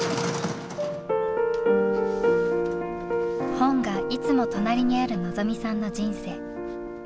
本がいつも隣にある望未さんの人生。